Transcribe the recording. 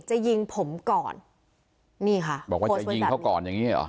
จะยิงผมก่อนนี่ค่ะบอกว่าจะยิงเขาก่อนอย่างงี้เหรอ